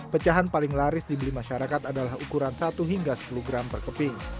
pecahan paling laris dibeli masyarakat adalah ukuran satu hingga sepuluh gram per keping